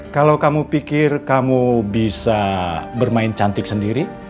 kalau kamu pikir kamu bisa bermain cantik sendiri